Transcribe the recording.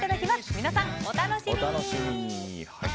皆さん、お楽しみに！